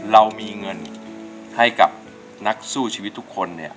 เรามีเงินให้กับนักสู้ชีวิตทุกคนเนี่ย